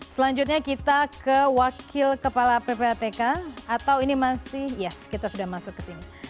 selanjutnya kita ke wakil kepala ppatk atau ini masih yes kita sudah masuk ke sini